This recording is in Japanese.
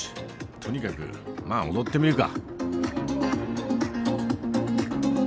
とにかくまあ踊ってみるか？